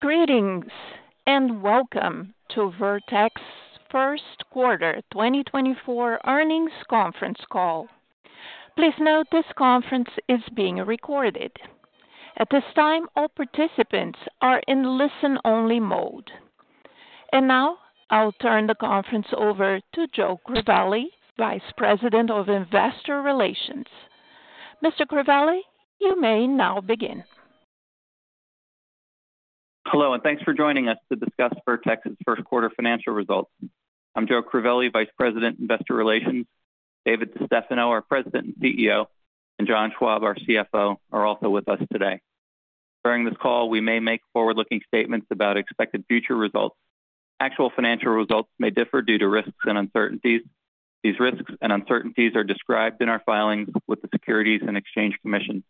Greetings and welcome to Vertex First Quarter 2024 Earnings Conference Call. Please note this conference is being recorded. At this time, all participants are in listen-only mode. And now I'll turn the conference over to Joe Crivelli, Vice President of Investor Relations. Mr. Crivelli, you may now begin. Hello and thanks for joining us to discuss Vertex's first quarter financial results. I'm Joe Crivelli, Vice President, Investor Relations. David DeStefano, our President and CEO, and John Schwab, our CFO, are also with us today. During this call, we may make forward-looking statements about expected future results. Actual financial results may differ due to risks and uncertainties. These risks and uncertainties are described in our filings with the Securities and Exchange Commission.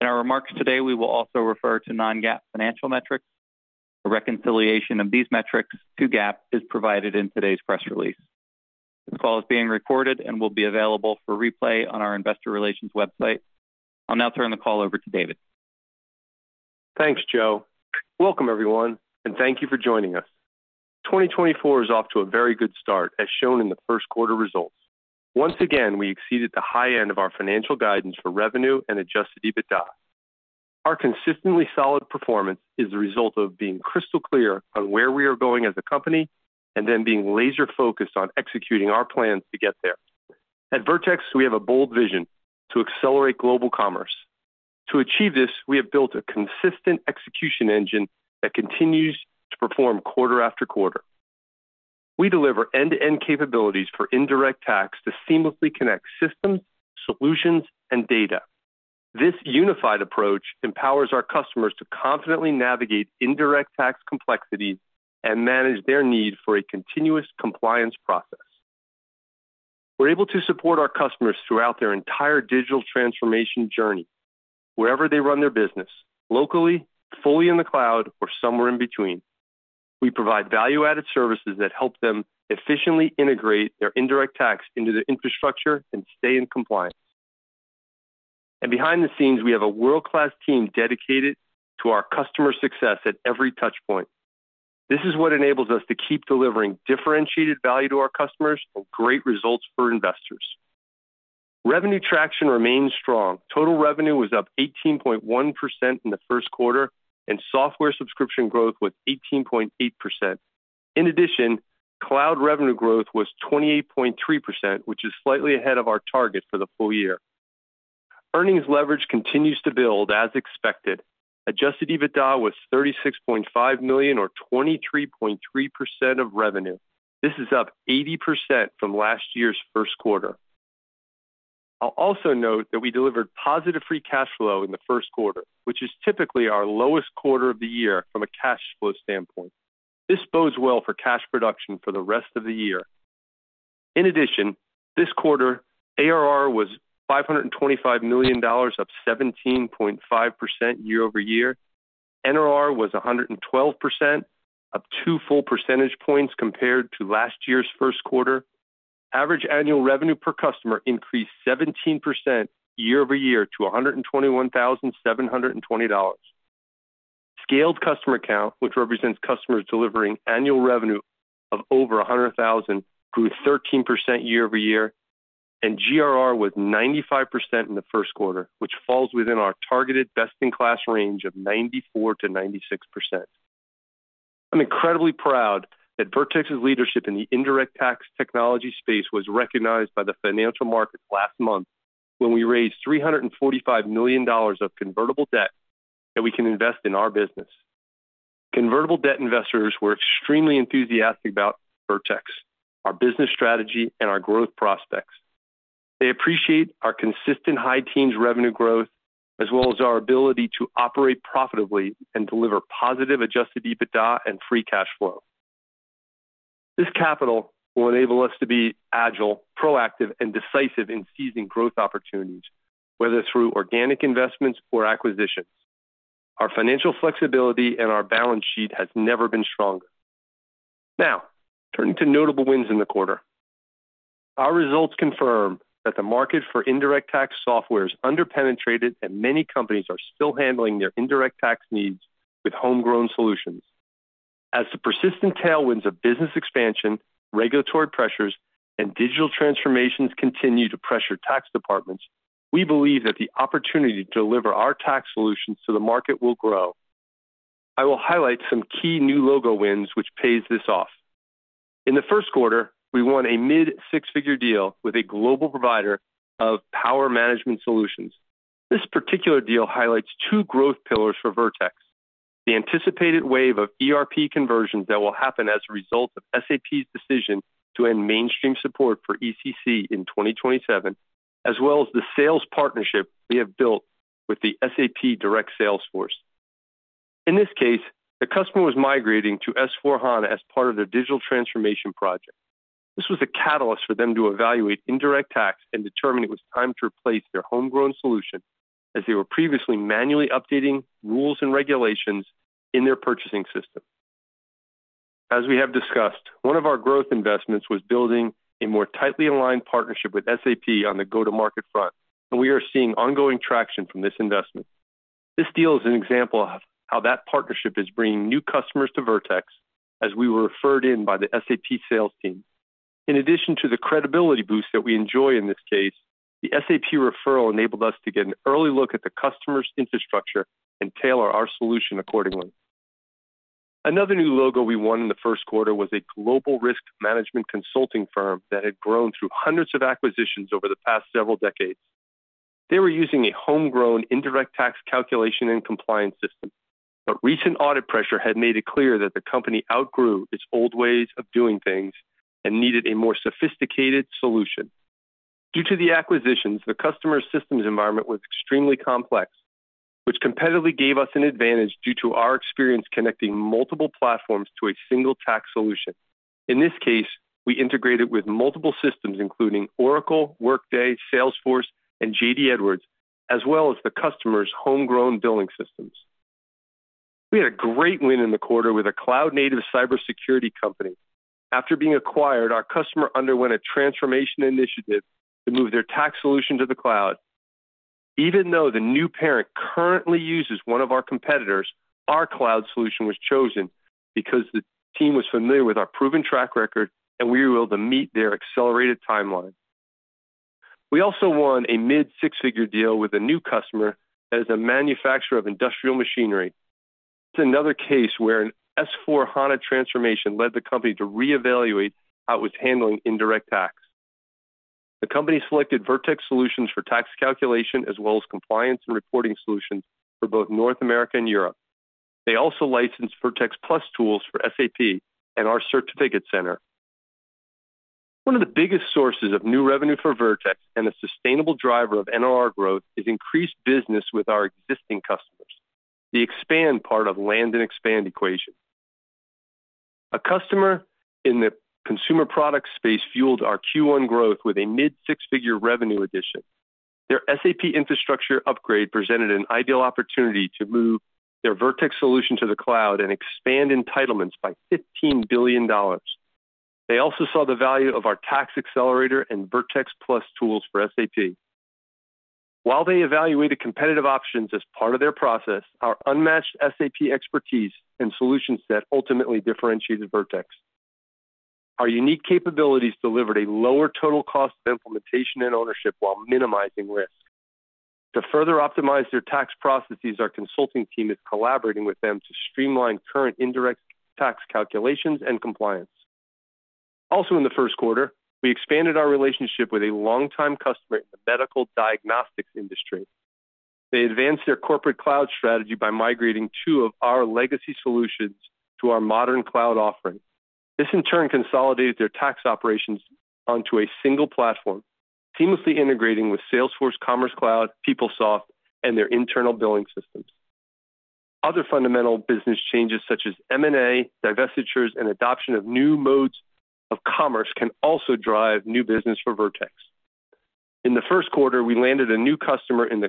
In our remarks today, we will also refer to non-GAAP financial metrics. A reconciliation of these metrics to GAAP is provided in today's press release. This call is being recorded and will be available for replay on our Investor Relations website. I'll now turn the call over to David. Thanks, Joe. Welcome, everyone, and thank you for joining us. 2024 is off to a very good start, as shown in the first quarter results. Once again, we exceeded the high end of our financial guidance for revenue and Adjusted EBITDA. Our consistently solid performance is the result of being crystal clear on where we are going as a company and then being laser-focused on executing our plans to get there. At Vertex, we have a bold vision: to accelerate global commerce. To achieve this, we have built a consistent execution engine that continues to perform quarter after quarter. We deliver end-to-end capabilities for indirect tax to seamlessly connect systems, solutions, and data. This unified approach empowers our customers to confidently navigate indirect tax complexities and manage their need for a continuous compliance process. We're able to support our customers throughout their entire digital transformation journey, wherever they run their business: locally, fully in the cloud, or somewhere in between. We provide value-added services that help them efficiently integrate their indirect tax into their infrastructure and stay in compliance. And behind the scenes, we have a world-class team dedicated to our customer success at every touchpoint. This is what enables us to keep delivering differentiated value to our customers and great results for investors. Revenue traction remains strong. Total revenue was up 18.1% in the first quarter, and software subscription growth was 18.8%. In addition, cloud revenue growth was 28.3%, which is slightly ahead of our target for the full year. Earnings leverage continues to build, as expected. Adjusted EBITDA was $36.5 million, or 23.3% of revenue. This is up 80% from last year's first quarter. I'll also note that we delivered positive free cash flow in the first quarter, which is typically our lowest quarter of the year from a cash flow standpoint. This bodes well for cash production for the rest of the year. In addition, this quarter, ARR was $525 million, up 17.5% year-over-year. NRR was 112%, up two full percentage points compared to last year's first quarter. Average annual revenue per customer increased 17% year-over-year to $121,720. Scaled customer count, which represents customers delivering annual revenue of over $100,000, grew 13% year-over-year. And GRR was 95% in the first quarter, which falls within our targeted best-in-class range of 94%-96%. I'm incredibly proud that Vertex's leadership in the indirect tax technology space was recognized by the financial markets last month when we raised $345 million of convertible debt that we can invest in our business. Convertible debt investors were extremely enthusiastic about Vertex, our business strategy, and our growth prospects. They appreciate our consistent high-teens revenue growth, as well as our ability to operate profitably and deliver positive Adjusted EBITDA and free cash flow. This capital will enable us to be agile, proactive, and decisive in seizing growth opportunities, whether through organic investments or acquisitions. Our financial flexibility and our balance sheet have never been stronger. Now, turning to notable wins in the quarter. Our results confirm that the market for indirect tax software is under-penetrated, and many companies are still handling their indirect tax needs with homegrown solutions. As the persistent tailwinds of business expansion, regulatory pressures, and digital transformations continue to pressure tax departments, we believe that the opportunity to deliver our tax solutions to the market will grow. I will highlight some key new logo wins, which pays this off. In the first quarter, we won a mid-six-figure deal with a global provider of power management solutions. This particular deal highlights two growth pillars for Vertex: the anticipated wave of ERP conversions that will happen as a result of SAP's decision to end mainstream support for ECC in 2027, as well as the sales partnership we have built with the SAP direct sales force. In this case, the customer was migrating to S/4HANA as part of their digital transformation project. This was a catalyst for them to evaluate indirect tax and determine it was time to replace their homegrown solution, as they were previously manually updating rules and regulations in their purchasing system. As we have discussed, one of our growth investments was building a more tightly aligned partnership with SAP on the go-to-market front, and we are seeing ongoing traction from this investment. This deal is an example of how that partnership is bringing new customers to Vertex, as we were referred in by the SAP sales team. In addition to the credibility boost that we enjoy in this case, the SAP referral enabled us to get an early look at the customer's infrastructure and tailor our solution accordingly. Another new logo we won in the first quarter was a global risk management consulting firm that had grown through hundreds of acquisitions over the past several decades. They were using a homegrown indirect tax calculation and compliance system, but recent audit pressure had made it clear that the company outgrew its old ways of doing things and needed a more sophisticated solution. Due to the acquisitions, the customer's systems environment was extremely complex, which competitively gave us an advantage due to our experience connecting multiple platforms to a single tax solution. In this case, we integrated with multiple systems, including Oracle, Workday, Salesforce, and J.D. Edwards, as well as the customer's homegrown billing systems. We had a great win in the quarter with a cloud-native cybersecurity company. After being acquired, our customer underwent a transformation initiative to move their tax solution to the cloud. Even though the new parent currently uses one of our competitors, our cloud solution was chosen because the team was familiar with our proven track record and we were able to meet their accelerated timeline. We also won a mid-six-figure deal with a new customer that is a manufacturer of industrial machinery. It's another case where an S/4HANA transformation led the company to reevaluate how it was handling indirect tax. The company selected Vertex solutions for tax calculation, as well as compliance and reporting solutions for both North America and Europe. They also licensed Vertex PLUS Tools for SAP and our Vertex Certificate Center. One of the biggest sources of new revenue for Vertex and a sustainable driver of NRR growth is increased business with our existing customers, the expand part of land and expand equation. A customer in the consumer product space fueled our Q1 growth with a mid-six-figure revenue addition. Their SAP infrastructure upgrade presented an ideal opportunity to move their Vertex solution to the cloud and expand entitlements by $15 billion. They also saw the value of our Vertex Tax Accelerator and Vertex PLUS Tools for SAP. While they evaluated competitive options as part of their process, our unmatched SAP expertise and solution set ultimately differentiated Vertex. Our unique capabilities delivered a lower total cost of implementation and ownership while minimizing risk. To further optimize their tax processes, our consulting team is collaborating with them to streamline current indirect tax calculations and compliance. Also, in the first quarter, we expanded our relationship with a longtime customer in the medical diagnostics industry. They advanced their corporate cloud strategy by migrating two of our legacy solutions to our modern cloud offering. This, in turn, consolidated their tax operations onto a single platform, seamlessly integrating with Salesforce Commerce Cloud, PeopleSoft, and their internal billing systems. Other fundamental business changes, such as M&A, divestitures, and adoption of new modes of commerce, can also drive new business for Vertex. In the first quarter, we landed a new customer in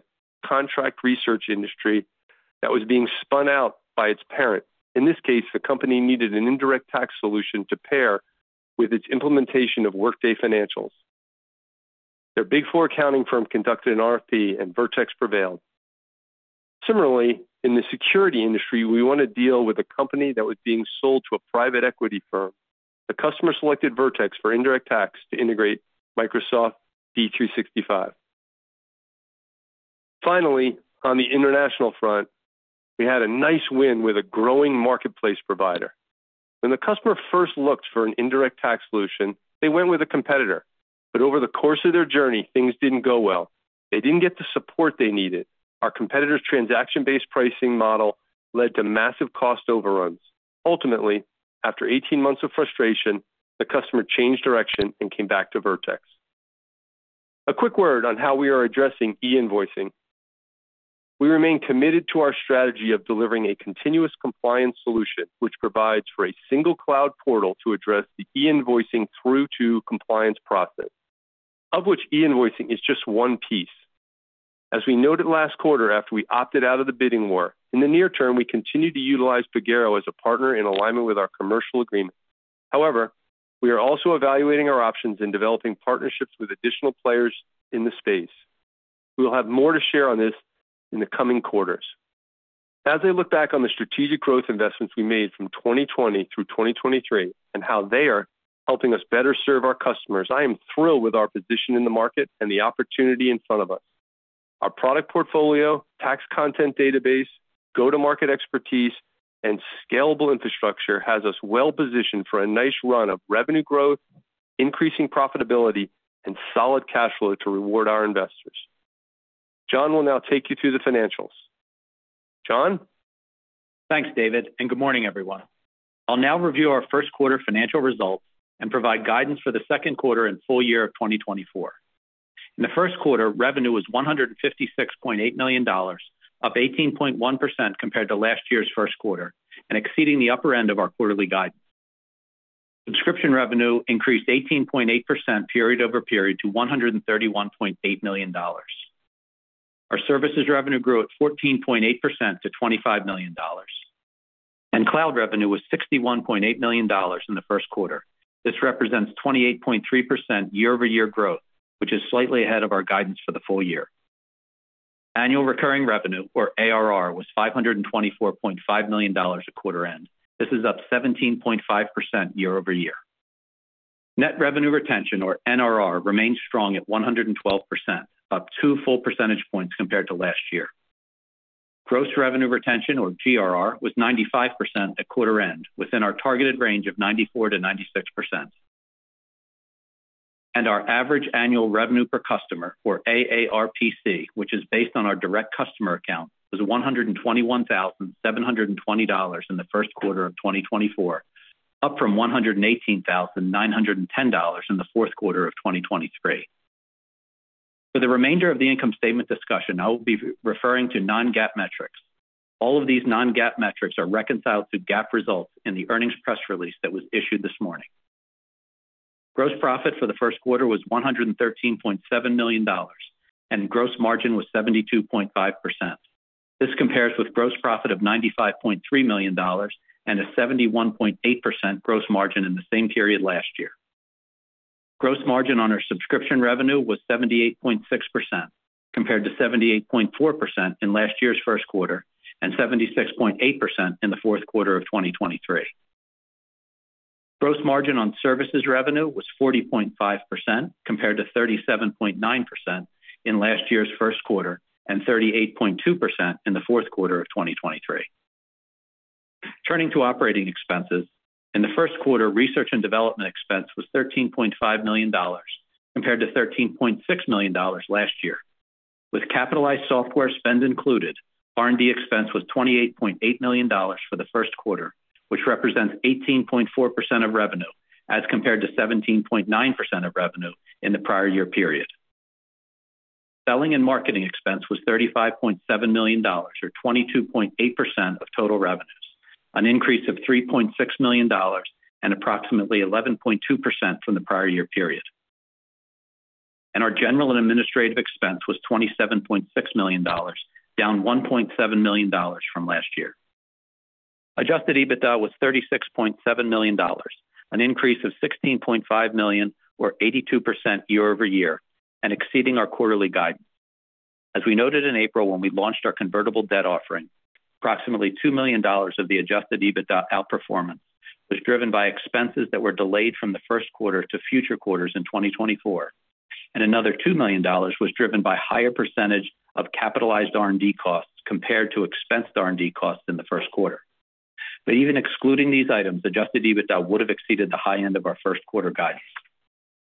the contract research industry that was being spun out by its parent. In this case, the company needed an indirect tax solution to pair with its implementation of Workday Financials. Their Big Four accounting firm conducted an RFP, and Vertex prevailed. Similarly, in the security industry, we won a deal with a company that was being sold to a private equity firm. The customer selected Vertex for indirect tax to integrate Microsoft 365. Finally, on the international front, we had a nice win with a growing marketplace provider. When the customer first looked for an indirect tax solution, they went with a competitor. But over the course of their journey, things didn't go well. They didn't get the support they needed. Our competitor's transaction-based pricing model led to massive cost overruns. Ultimately, after 18 months of frustration, the customer changed direction and came back to Vertex. A quick word on how we are addressing e-invoicing. We remain committed to our strategy of delivering a continuous compliance solution, which provides for a single cloud portal to address the e-invoicing through-to-compliance process, of which e-invoicing is just one piece. As we noted last quarter after we opted out of the bidding war, in the near term, we continue to utilize Pagero as a partner in alignment with our commercial agreement. However, we are also evaluating our options in developing partnerships with additional players in the space. We will have more to share on this in the coming quarters. As I look back on the strategic growth investments we made from 2020 through 2023 and how they are helping us better serve our customers, I am thrilled with our position in the market and the opportunity in front of us. Our product portfolio, tax content database, go-to-market expertise, and scalable infrastructure has us well-positioned for a nice run of revenue growth, increasing profitability, and solid cash flow to reward our investors. John will now take you through the financials. John? Thanks, David, and good morning, everyone. I'll now review our first quarter financial results and provide guidance for the second quarter and full year of 2024. In the first quarter, revenue was $156.8 million, up 18.1% compared to last year's first quarter and exceeding the upper end of our quarterly guidance. Subscription revenue increased 18.8% period-over-period to $131.8 million. Our services revenue grew at 14.8% to $25 million, and cloud revenue was $61.8 million in the first quarter. This represents 28.3% year-over-year growth, which is slightly ahead of our guidance for the full year. Annual recurring revenue, or ARR, was $524.5 million at quarter end. This is up 17.5% year-over-year. Net revenue retention, or NRR, remained strong at 112%, up two full percentage points compared to last year. Gross revenue retention, or GRR, was 95% at quarter end, within our targeted range of 94%-96%. Our average annual revenue per customer, or AARPC, which is based on our direct customer account, was $121,720 in the first quarter of 2024, up from $118,910 in the fourth quarter of 2023. For the remainder of the income statement discussion, I will be referring to non-GAAP metrics. All of these non-GAAP metrics are reconciled to GAAP results in the earnings press release that was issued this morning. Gross profit for the first quarter was $113.7 million, and gross margin was 72.5%. This compares with gross profit of $95.3 million and a 71.8% gross margin in the same period last year. Gross margin on our subscription revenue was 78.6%, compared to 78.4% in last year's first quarter and 76.8% in the fourth quarter of 2023. Gross margin on services revenue was 40.5%, compared to 37.9% in last year's first quarter and 38.2% in the fourth quarter of 2023. Turning to operating expenses. In the first quarter, research and development expense was $13.5 million, compared to $13.6 million last year. With capitalized software spend included, R&D expense was $28.8 million for the first quarter, which represents 18.4% of revenue as compared to 17.9% of revenue in the prior year period. Selling and marketing expense was $35.7 million, or 22.8% of total revenues, an increase of $3.6 million and approximately 11.2% from the prior year period. Our general and administrative expense was $27.6 million, down $1.7 million from last year. Adjusted EBITDA was $36.7 million, an increase of $16.5 million, or 82% year-over-year, and exceeding our quarterly guidance. As we noted in April when we launched our convertible debt offering, approximately $2 million of the Adjusted EBITDA outperformance was driven by expenses that were delayed from the first quarter to future quarters in 2024, and another $2 million was driven by higher percentage of capitalized R&D costs compared to expensed R&D costs in the first quarter. But even excluding these items, Adjusted EBITDA would have exceeded the high end of our first quarter guidance.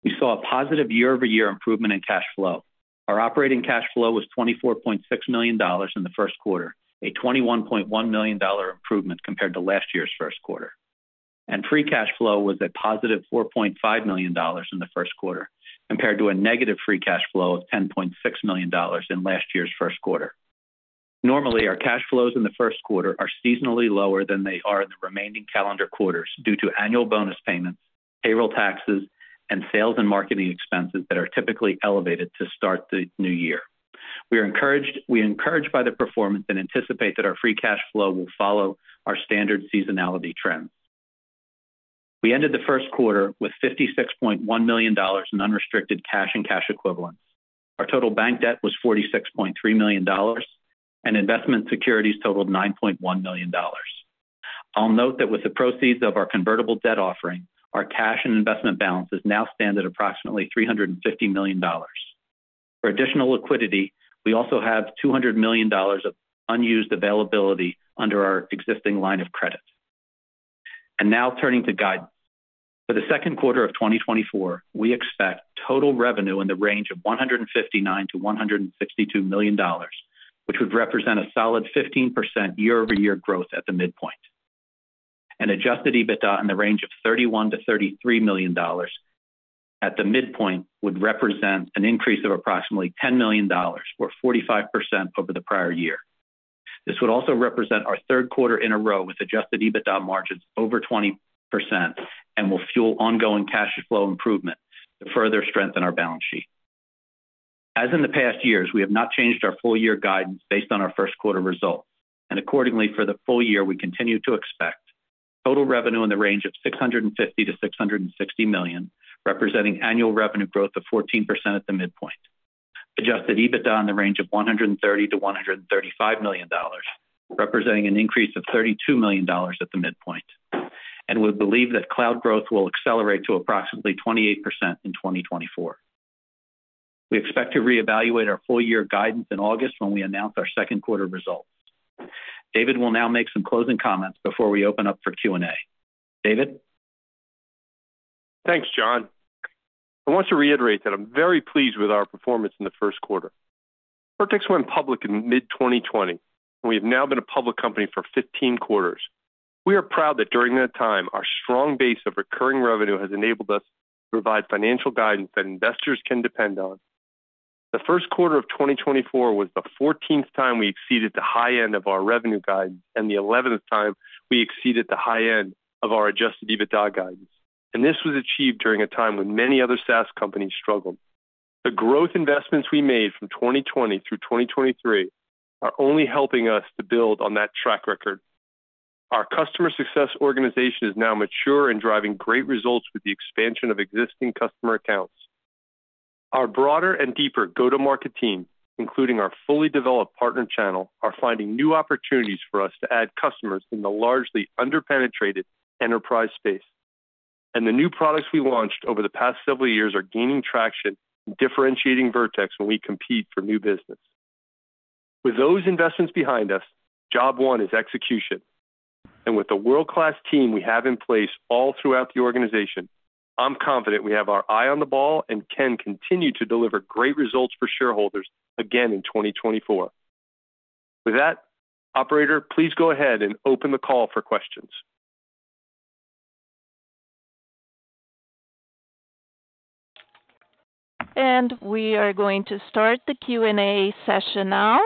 We saw a positive year-over-year improvement in cash flow. Our operating cash flow was $24.6 million in the first quarter, a $21.1 million improvement compared to last year's first quarter. And free cash flow was a positive $4.5 million in the first quarter, compared to a negative free cash flow of $10.6 million in last year's first quarter. Normally, our cash flows in the first quarter are seasonally lower than they are in the remaining calendar quarters due to annual bonus payments, payroll taxes, and sales and marketing expenses that are typically elevated to start the new year. We are encouraged by the performance and anticipate that our free cash flow will follow our standard seasonality trends. We ended the first quarter with $56.1 million in unrestricted cash and cash equivalents. Our total bank debt was $46.3 million, and investment securities totaled $9.1 million. I'll note that with the proceeds of our convertible debt offering, our cash and investment balances now stand at approximately $350 million. For additional liquidity, we also have $200 million of unused availability under our existing line of credit. And now turning to guidance. For the second quarter of 2024, we expect total revenue in the range of $159 million-$162 million, which would represent a solid 15% year-over-year growth at the midpoint. Adjusted EBITDA in the range of $31 million-$33 million at the midpoint would represent an increase of approximately $10 million, or 45% over the prior year. This would also represent our third quarter in a row with Adjusted EBITDA margins over 20% and will fuel ongoing cash flow improvement to further strengthen our balance sheet. As in the past years, we have not changed our full-year guidance based on our first quarter results. Accordingly, for the full year, we continue to expect total revenue in the range of $650 million-$660 million, representing annual revenue growth of 14% at the midpoint. Adjusted EBITDA in the range of $130 million-$135 million, representing an increase of $32 million at the midpoint. We believe that cloud growth will accelerate to approximately 28% in 2024. We expect to reevaluate our full-year guidance in August when we announce our second quarter results. David will now make some closing comments before we open up for Q&A. David? Thanks, John. I want to reiterate that I'm very pleased with our performance in the first quarter. Vertex went public in mid-2020, and we have now been a public company for 15 quarters. We are proud that during that time, our strong base of recurring revenue has enabled us to provide financial guidance that investors can depend on. The first quarter of 2024 was the 14th time we exceeded the high end of our revenue guidance and the 11th time we exceeded the high end of our Adjusted EBITDA guidance. This was achieved during a time when many other SaaS companies struggled. The growth investments we made from 2020 through 2023 are only helping us to build on that track record. Our customer success organization is now mature and driving great results with the expansion of existing customer accounts. Our broader and deeper go-to-market team, including our fully developed partner channel, are finding new opportunities for us to add customers in the largely under-penetrated enterprise space. The new products we launched over the past several years are gaining traction, differentiating Vertex when we compete for new business. With those investments behind us, job one is execution. With the world-class team we have in place all throughout the organization, I'm confident we have our eye on the ball and can continue to deliver great results for shareholders again in 2024. With that, operator, please go ahead and open the call for questions. We are going to start the Q&A session now.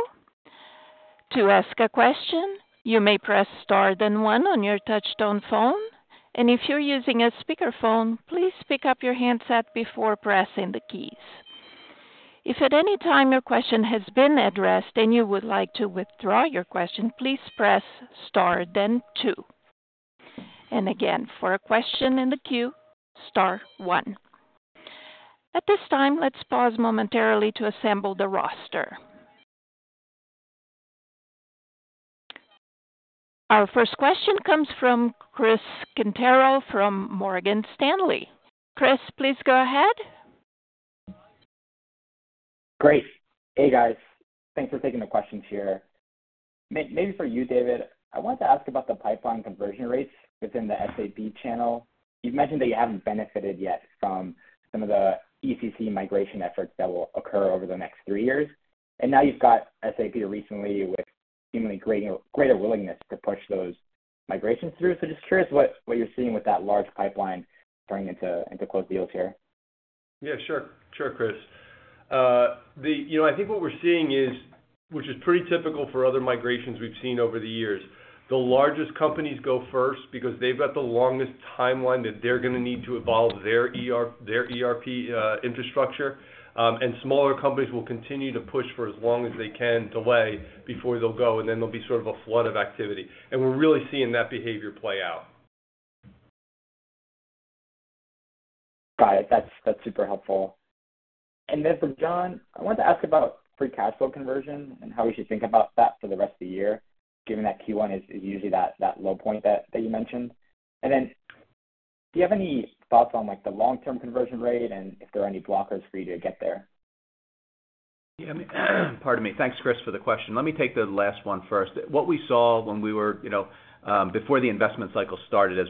To ask a question, you may press star then one on your touch-tone phone. If you're using a speakerphone, please pick up your handset before pressing the keys. If at any time your question has been addressed and you would like to withdraw your question, please press star then two. Again, for a question in the queue, star one. At this time, let's pause momentarily to assemble the roster. Our first question comes from Chris Quintero from Morgan Stanley. Chris, please go ahead. Great. Hey, guys. Thanks for taking the questions here. Maybe for you, David, I wanted to ask about the pipeline conversion rates within the SAP channel. You've mentioned that you haven't benefited yet from some of the ECC migration efforts that will occur over the next three years. And now you've got SAP recently with seemingly greater willingness to push those migrations through. So just curious what you're seeing with that large pipeline turning into close deals here? Yeah, sure. Sure, Chris. I think what we're seeing is, which is pretty typical for other migrations we've seen over the years, the largest companies go first because they've got the longest timeline that they're going to need to evolve their ERP infrastructure. And smaller companies will continue to push for as long as they can delay before they'll go, and then there'll be sort of a flood of activity. And we're really seeing that behavior play out. Got it. That's super helpful. And then for John, I wanted to ask about free cash flow conversion and how we should think about that for the rest of the year, given that Q1 is usually that low point that you mentioned. And then do you have any thoughts on the long-term conversion rate and if there are any blockers for you to get there? Pardon me. Thanks, Chris, for the question. Let me take the last one first. What we saw when we were before the investment cycle started as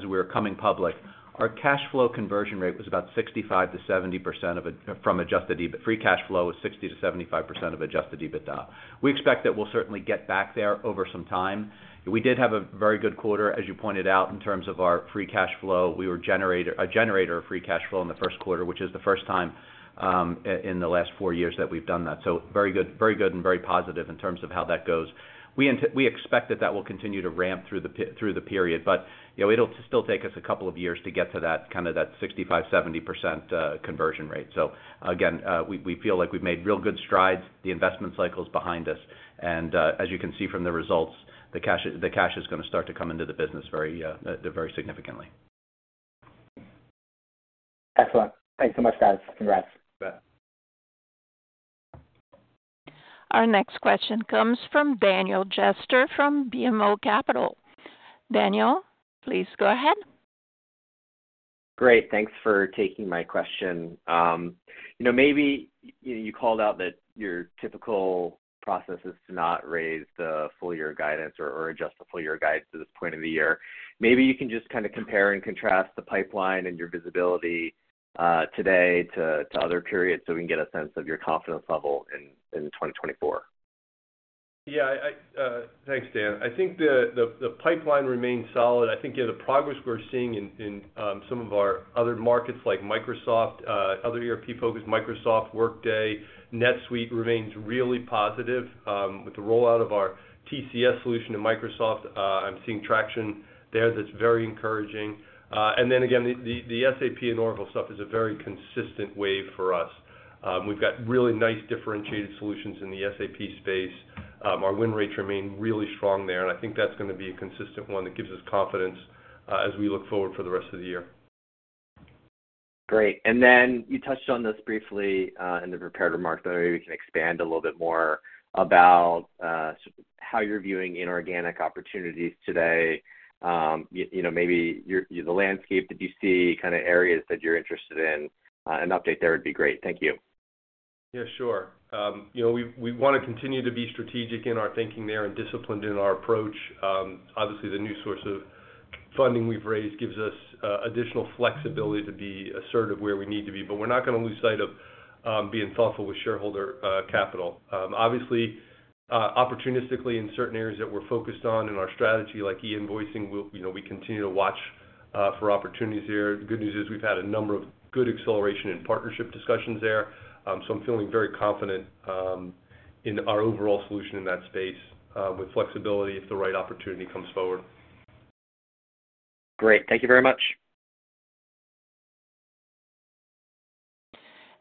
we were coming public, our cash flow conversion rate was about 65%-70% from Adjusted EBIT. Free cash flow was 60%-75% of Adjusted EBITDA. We expect that we'll certainly get back there over some time. We did have a very good quarter, as you pointed out, in terms of our free cash flow. We were a generator of free cash flow in the first quarter, which is the first time in the last four years that we've done that. So very good and very positive in terms of how that goes. We expect that that will continue to ramp through the period, but it'll still take us a couple of years to get to kind of that 65%-70% conversion rate. So again, we feel like we've made real good strides. The investment cycle is behind us. As you can see from the results, the cash is going to start to come into the business very significantly. Excellent. Thanks so much, guys. Congrats. Our next question comes from Daniel Jester from BMO Capital Markets. Daniel, please go ahead. Great. Thanks for taking my question. Maybe you called out that your typical process is to not raise the full-year guidance or adjust the full-year guidance at this point of the year. Maybe you can just kind of compare and contrast the pipeline and your visibility today to other periods so we can get a sense of your confidence level in 2024? Yeah. Thanks, Dan. I think the pipeline remains solid. I think the progress we're seeing in some of our other markets like Microsoft, other ERP-focused Microsoft, Workday, NetSuite remains really positive. With the rollout of our TCS solution in Microsoft, I'm seeing traction there that's very encouraging. And then again, the SAP and Oracle stuff is a very consistent wave for us. We've got really nice differentiated solutions in the SAP space. Our win rates remain really strong there, and I think that's going to be a consistent one that gives us confidence as we look forward for the rest of the year. Great. And then you touched on this briefly in the prepared remark, but maybe we can expand a little bit more about how you're viewing inorganic opportunities today. Maybe the landscape that you see, kind of areas that you're interested in, an update there would be great. Thank you. Yeah, sure. We want to continue to be strategic in our thinking there and disciplined in our approach. Obviously, the new source of funding we've raised gives us additional flexibility to be assertive where we need to be, but we're not going to lose sight of being thoughtful with shareholder capital. Obviously, opportunistically in certain areas that we're focused on in our strategy, like e-invoicing, we continue to watch for opportunities there. The good news is we've had a number of good acceleration in partnership discussions there. So I'm feeling very confident in our overall solution in that space with flexibility if the right opportunity comes forward. Great. Thank you very much.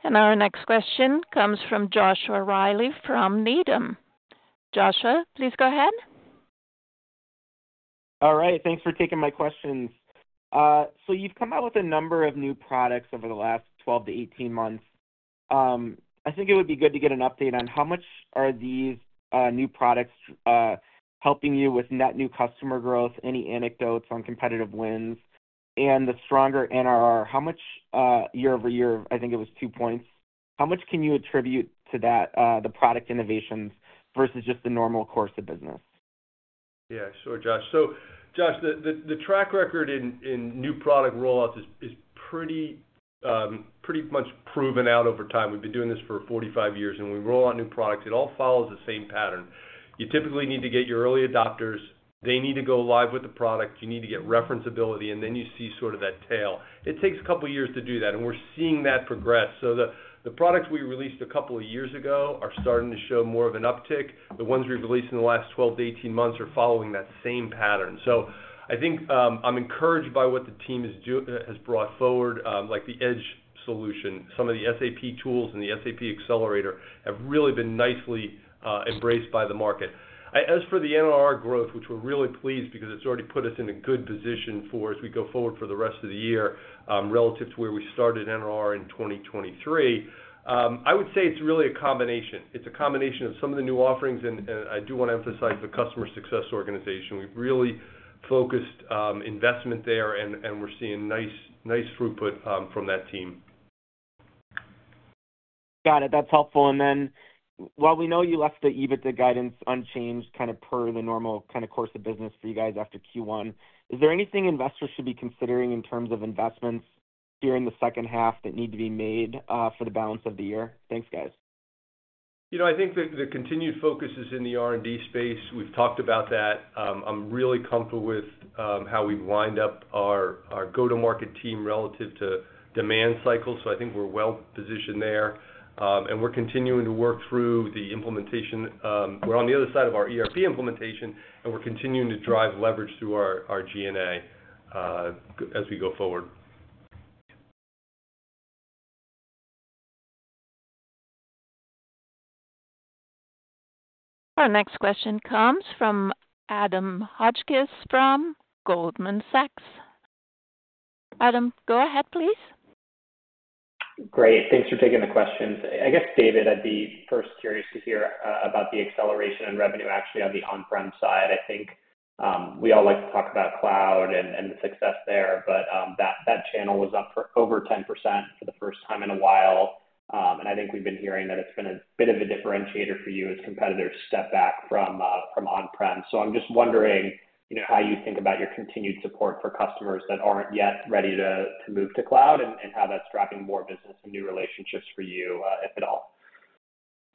Our next question comes from Joshua Reilly from Needham. Joshua, please go ahead. All right. Thanks for taking my questions. So you've come out with a number of new products over the last 12-18 months. I think it would be good to get an update on how much are these new products helping you with net new customer growth, any anecdotes on competitive wins, and the stronger NRR? How much year-over-year, I think it was 2 points, how much can you attribute to that, the product innovations versus just the normal course of business? Yeah, sure, Josh. So Josh, the track record in new product rollouts is pretty much proven out over time. We've been doing this for 45 years, and when we roll out new products, it all follows the same pattern. You typically need to get your early adopters. They need to go live with the product. You need to get referenceability, and then you see sort of that tail. It takes a couple of years to do that, and we're seeing that progress. So the products we released a couple of years ago are starting to show more of an uptick. The ones we've released in the last 12-18 months are following that same pattern. So I think I'm encouraged by what the team has brought forward, like the Edge solution. Some of the SAP tools and the SAP accelerator have really been nicely embraced by the market. As for the NRR growth, which we're really pleased because it's already put us in a good position for as we go forward for the rest of the year relative to where we started NRR in 2023, I would say it's really a combination. It's a combination of some of the new offerings, and I do want to emphasize the customer success organization. We've really focused investment there, and we're seeing nice throughput from that team. Got it. That's helpful. And then while we know you left the EBITDA guidance unchanged kind of per the normal kind of course of business for you guys after Q1, is there anything investors should be considering in terms of investments during the second half that need to be made for the balance of the year? Thanks, guys. I think the continued focus is in the R&D space. We've talked about that. I'm really comfortable with how we've lined up our go-to-market team relative to demand cycles. So I think we're well positioned there. We're continuing to work through the implementation. We're on the other side of our ERP implementation, and we're continuing to drive leverage through our G&A as we go forward. Our next question comes from Adam Hotchkiss from Goldman Sachs. Adam, go ahead, please. Great. Thanks for taking the questions. I guess, David, I'd be first curious to hear about the acceleration in revenue, actually, on the on-prem side. I think we all like to talk about cloud and the success there, but that channel was up for over 10% for the first time in a while. And I think we've been hearing that it's been a bit of a differentiator for you as competitors step back from on-prem. So I'm just wondering how you think about your continued support for customers that aren't yet ready to move to cloud and how that's driving more business and new relationships for you, if at all.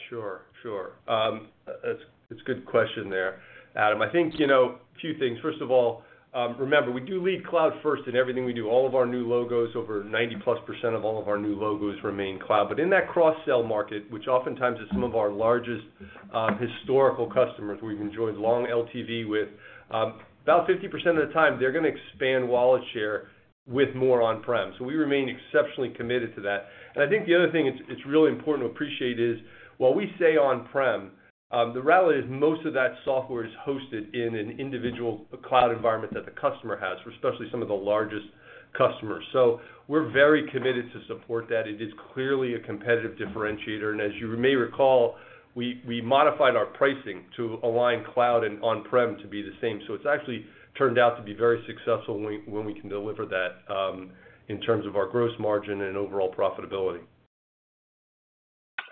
Sure, sure. It's a good question there, Adam. I think a few things. First of all, remember, we do lead cloud first in everything we do. All of our new logos, over 90%+ of all of our new logos remain cloud. But in that cross-sell market, which oftentimes is some of our largest historical customers where we've enjoyed long LTV with, about 50% of the time, they're going to expand wallet share with more on-prem. So we remain exceptionally committed to that. And I think the other thing it's really important to appreciate is while we say on-prem, the reality is most of that software is hosted in an individual cloud environment that the customer has, especially some of the largest customers. So we're very committed to support that. It is clearly a competitive differentiator. As you may recall, we modified our pricing to align cloud and on-prem to be the same. It's actually turned out to be very successful when we can deliver that in terms of our gross margin and overall profitability.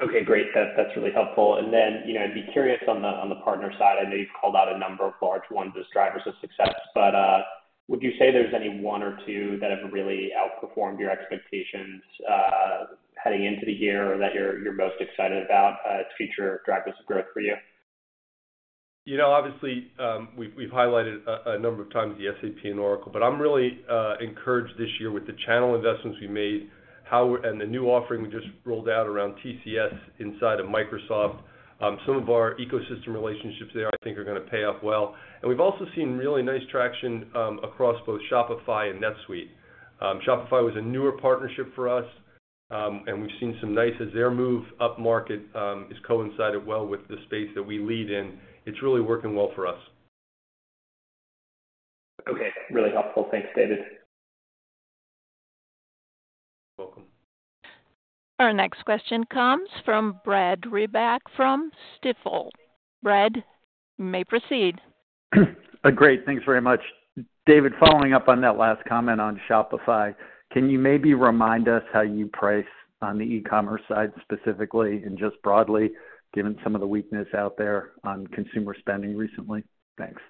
Okay, great. That's really helpful. And then I'd be curious on the partner side. I know you've called out a number of large ones as drivers of success, but would you say there's any one or two that have really outperformed your expectations heading into the year that you're most excited about as future drivers of growth for you? Obviously, we've highlighted a number of times the SAP and Oracle, but I'm really encouraged this year with the channel investments we made and the new offering we just rolled out around TCS inside of Microsoft. Some of our ecosystem relationships there, I think, are going to pay off well. And we've also seen really nice traction across both Shopify and NetSuite. Shopify was a newer partnership for us, and we've seen some nice as their move upmarket has coincided well with the space that we lead in. It's really working well for us. Okay. Really helpful. Thanks, David. You're welcome. Our next question comes from Brad Reback from Stifel. Brad, you may proceed. Great. Thanks very much. David, following up on that last comment on Shopify, can you maybe remind us how you price on the e-commerce side specifically and just broadly, given some of the weakness out there on consumer spending recently? Thanks.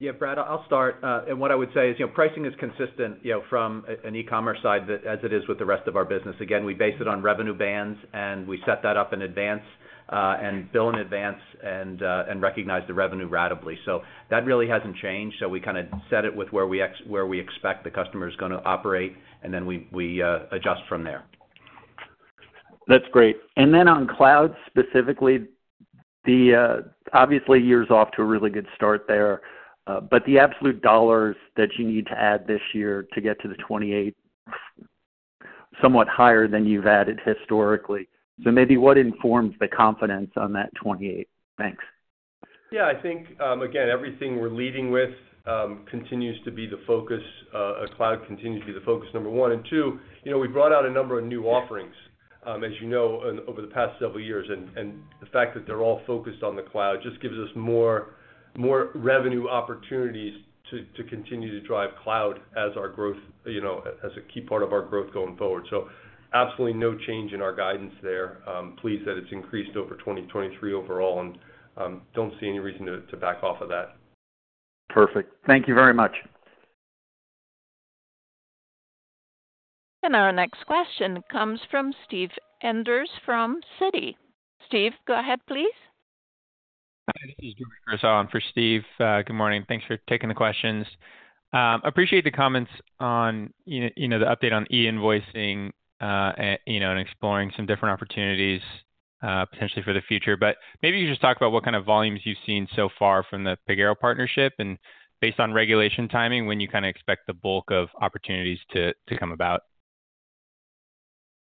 Yeah, Brad, I'll start. What I would say is pricing is consistent from an e-commerce side as it is with the rest of our business. Again, we base it on revenue bands, and we set that up in advance and bill in advance and recognize the revenue ratably. That really hasn't changed. We kind of set it with where we expect the customer is going to operate, and then we adjust from there. That's great. And then on cloud specifically, obviously, you're off to a really good start there. But the absolute dollars that you need to add this year to get to the 28 is somewhat higher than you've added historically. So maybe what informs the confidence on that 28? Thanks. Yeah. I think, again, everything we're leading with continues to be the focus. Cloud continues to be the focus number one. And two, we brought out a number of new offerings, as you know, over the past several years. And the fact that they're all focused on the cloud just gives us more revenue opportunities to continue to drive cloud as a key part of our growth going forward. So absolutely no change in our guidance there. Pleased that it's increased over 2023 overall, and don't see any reason to back off of that. Perfect. Thank you very much. Our next question comes from Steve Enders from Citi. Steve, go ahead, please. Hi. This is George Kurosawa. I'm for Steve. Good morning. Thanks for taking the questions. Appreciate the comments on the update on e-invoicing and exploring some different opportunities, potentially for the future. But maybe you could just talk about what kind of volumes you've seen so far from the Pagero partnership and based on regulation timing, when you kind of expect the bulk of opportunities to come about.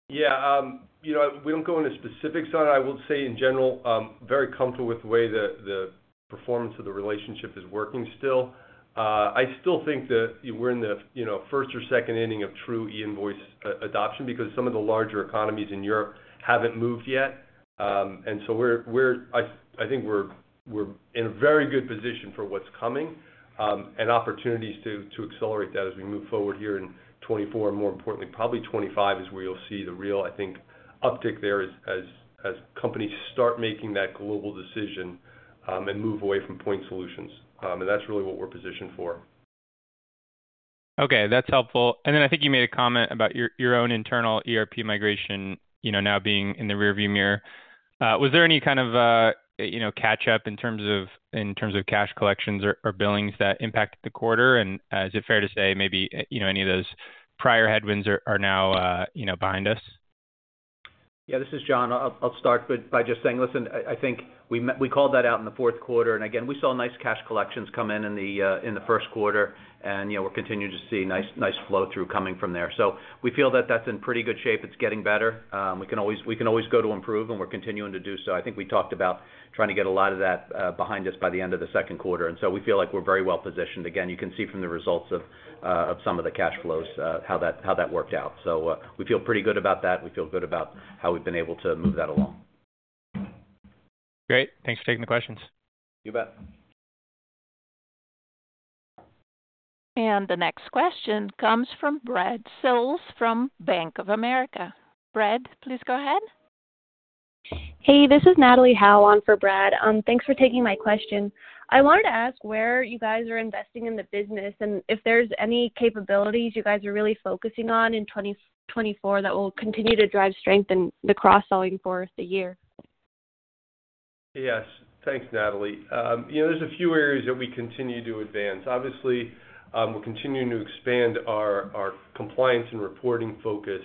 Yeah. We don't go into specifics on it. I will say, in general, very comfortable with the way the performance of the relationship is working still. I still think that we're in the first or second inning of true e-invoice adoption because some of the larger economies in Europe haven't moved yet. And so I think we're in a very good position for what's coming and opportunities to accelerate that as we move forward here in 2024 and more importantly, probably 2025 is where you'll see the real, I think, uptick there as companies start making that global decision and move away from point solutions. And that's really what we're positioned for. Okay. That's helpful. And then I think you made a comment about your own internal ERP migration now being in the rearview mirror. Was there any kind of catch-up in terms of cash collections or billings that impacted the quarter? And is it fair to say maybe any of those prior headwinds are now behind us? Yeah, this is John. I'll start by just saying, listen, I think we called that out in the fourth quarter. And again, we saw nice cash collections come in in the first quarter, and we're continuing to see nice flow-through coming from there. So we feel that that's in pretty good shape. It's getting better. We can always go to improve, and we're continuing to do so. I think we talked about trying to get a lot of that behind us by the end of the second quarter. And so we feel like we're very well positioned. Again, you can see from the results of some of the cash flows how that worked out. So we feel pretty good about that. We feel good about how we've been able to move that along. Great. Thanks for taking the questions. You bet. The next question comes from Brad Sills from Bank of America. Brad, please go ahead. Hey, this is Natalie Howe on for Brad. Thanks for taking my question. I wanted to ask where you guys are investing in the business and if there's any capabilities you guys are really focusing on in 2024 that will continue to drive strength in the cross-selling for the year? Yes. Thanks, Natalie. There's a few areas that we continue to advance. Obviously, we're continuing to expand our compliance and reporting focus.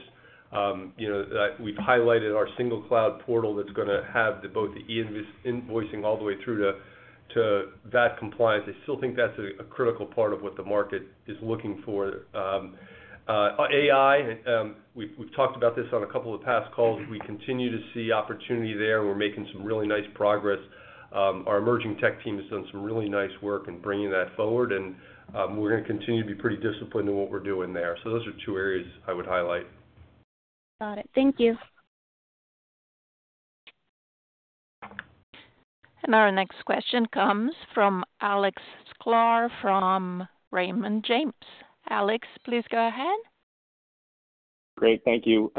We've highlighted our single cloud portal that's going to have both the e-invoicing all the way through to VAT compliance. I still think that's a critical part of what the market is looking for. AI, we've talked about this on a couple of past calls. We continue to see opportunity there, and we're making some really nice progress. Our emerging tech team has done some really nice work in bringing that forward, and we're going to continue to be pretty disciplined in what we're doing there. So those are two areas I would highlight. Got it. Thank you. Our next question comes from Alex Sklar from Raymond James. Alex, please go ahead. Great. Thank you.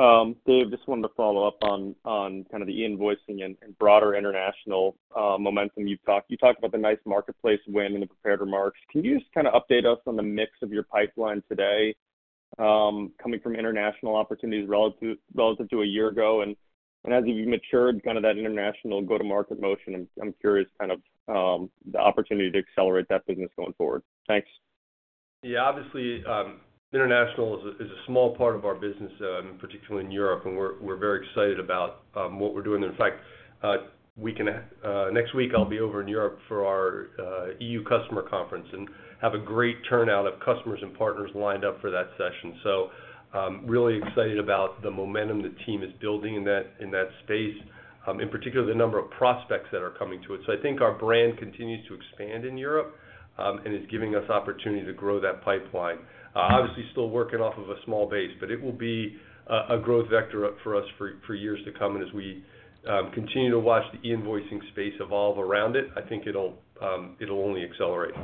Dave, just wanted to follow up on kind of the e-invoicing and broader international momentum. You talked about the nice marketplace win in the prepared remarks. Can you just kind of update us on the mix of your pipeline today coming from international opportunities relative to a year ago and as you've matured, kind of that international go-to-market motion? I'm curious kind of the opportunity to accelerate that business going forward. Thanks. Yeah. Obviously, international is a small part of our business, particularly in Europe, and we're very excited about what we're doing there. In fact, next week, I'll be over in Europe for our EU customer conference and have a great turnout of customers and partners lined up for that session. So really excited about the momentum the team is building in that space, in particular the number of prospects that are coming to it. So I think our brand continues to expand in Europe and is giving us opportunity to grow that pipeline. Obviously, still working off of a small base, but it will be a growth vector for us for years to come. And as we continue to watch the e-invoicing space evolve around it, I think it'll only accelerate.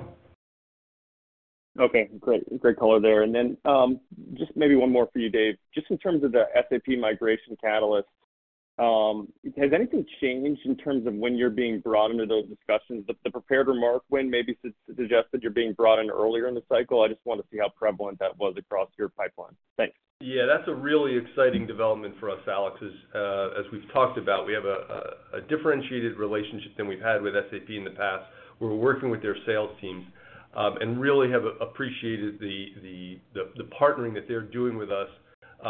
Okay. Great color there. And then just maybe one more for you, Dave. Just in terms of the SAP migration catalyst, has anything changed in terms of when you're being brought into those discussions? The prepared remark when maybe suggested you're being brought in earlier in the cycle. I just want to see how prevalent that was across your pipeline. Thanks. Yeah. That's a really exciting development for us, Alex. As we've talked about, we have a differentiated relationship than we've had with SAP in the past. We're working with their sales teams and really have appreciated the partnering that they're doing with us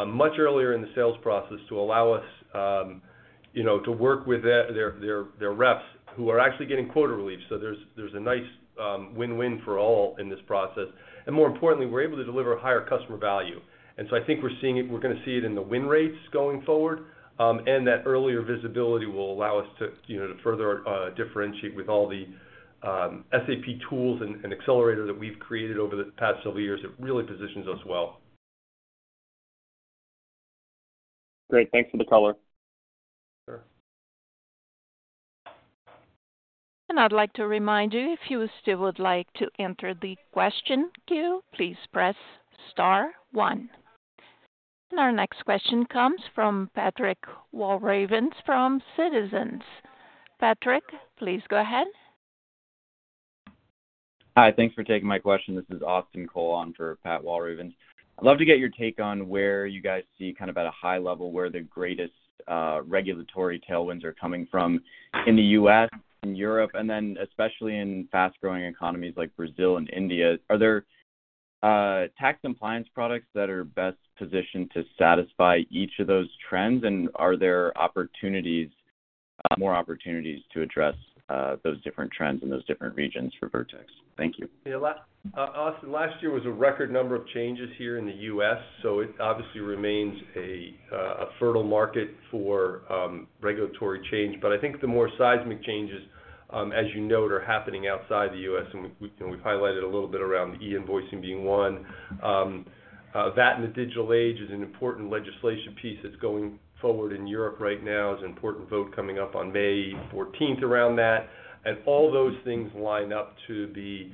much earlier in the sales process to allow us to work with their reps who are actually getting quota relief. So there's a nice win-win for all in this process. And more importantly, we're able to deliver higher customer value. And so I think we're going to see it in the win rates going forward, and that earlier visibility will allow us to further differentiate with all the SAP tools and accelerator that we've created over the past several years. It really positions us well. Great. Thanks for the color. I'd like to remind you, if you still would like to enter the question queue, please press star one. Our next question comes from Patrick Walravens from Citizens. Patrick, please go ahead. Hi. Thanks for taking my question. This is Austin Cole on for Pat Walravens. I'd love to get your take on where you guys see, kind of at a high level, where the greatest regulatory tailwinds are coming from in the U.S., in Europe, and then especially in fast-growing economies like Brazil and India. Are there tax compliance products that are best positioned to satisfy each of those trends, and are there more opportunities to address those different trends in those different regions for Vertex? Thank you. Austin, last year was a record number of changes here in the U.S. So it obviously remains a fertile market for regulatory change. But I think the more seismic changes, as you note, are happening outside the U.S., and we've highlighted a little bit around the e-invoicing being one. VAT in the Digital Age is an important legislation piece that's going forward in Europe right now. There's an important vote coming up on May 14th around that. And all those things line up to be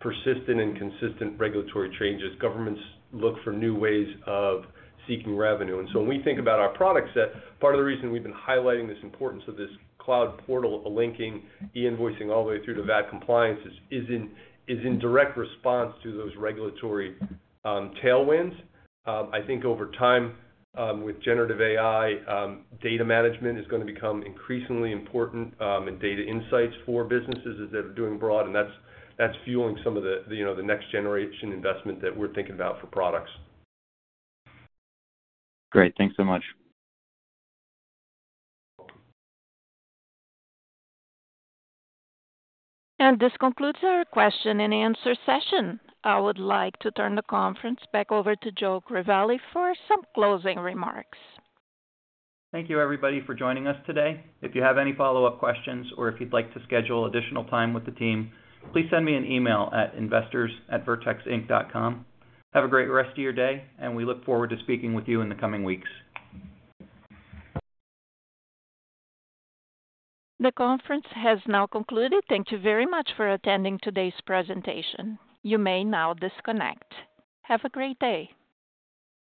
persistent and consistent regulatory changes. Governments look for new ways of seeking revenue. And so when we think about our product set, part of the reason we've been highlighting this importance of this cloud portal linking e-invoicing all the way through to VAT compliance is in direct response to those regulatory tailwinds. I think over time, with generative AI, data management is going to become increasingly important, and data insights for businesses that are doing broad, and that's fueling some of the next-generation investment that we're thinking about for products. Great. Thanks so much. This concludes our question and answer session. I would like to turn the conference back over to Joe Crivelli for some closing remarks. Thank you, everybody, for joining us today. If you have any follow-up questions or if you'd like to schedule additional time with the team, please send me an email at investors@vertexinc.com. Have a great rest of your day, and we look forward to speaking with you in the coming weeks. The conference has now concluded. Thank you very much for attending today's presentation. You may now disconnect. Have a great day.